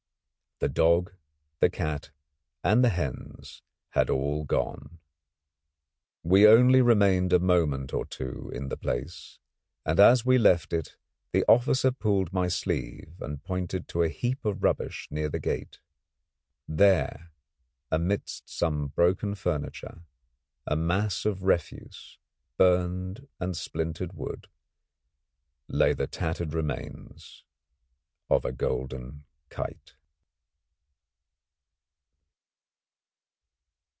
The dog, the cat, and the hens had all gone. We only remained a moment or two in the place, and as we left it the officer pulled my sleeve and pointed to a heap of rubbish near the gate. There, amidst some broken furniture, a mass of refuse, burned and splintered wood, lay the tattered remains of a golden kite.